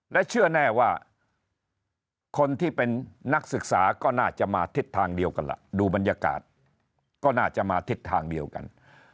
และเชื่อแน่ว่าคนที่เป็นนักศึกษาก็น่าจะมาทิศทางเดียวกันล่ะดูบรรยากาศก็น่าจะมาทิศทางเดียวกัน